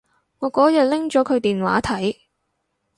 我嗰日拎咗佢電話睇